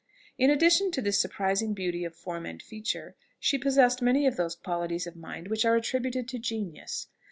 In addition to this surprising beauty of form and feature, she possessed many of those qualities of mind which are attributed to genius.